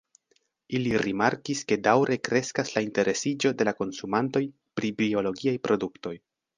Ili rimarkis ke daŭre kreskas la interesiĝo de la konsumantoj pri biologiaj produktoj.